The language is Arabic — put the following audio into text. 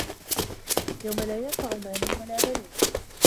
يَومَ لا يَنفَعُ مالٌ وَلا بَنونَ